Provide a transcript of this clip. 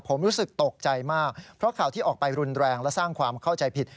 ผมรู้สึกตกใจมากเพราะข่าวที่ออกไปรุนแรงและสร้างความเข้าใจผิด